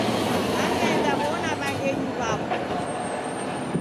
Naw'iaendaw'ona w'aghenyu w'apo.